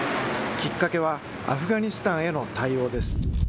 きっかけはアフガニスタンへの対応です。